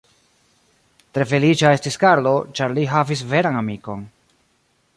Tre feliĉa estis Karlo, ĉar li havis veran amikon.